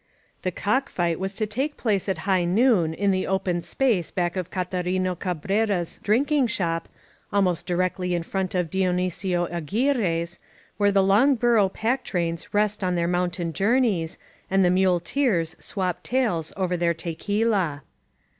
The cock fight was to take place at high noon in the open space back of Catarino Cabrera's drinking shop — ahnost directly in front of Dionysio Aguirre's, where the long burro pack trains rest on their mountain journeys, and the muleteers swap tales over their te qvUa.